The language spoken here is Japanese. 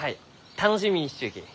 楽しみにしちゅうき。